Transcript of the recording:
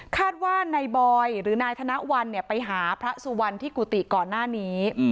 คาดว่านายบอยหรือนายธนวัลไปหาพระสุวรรณที่กุฏิก่อนหน้านี้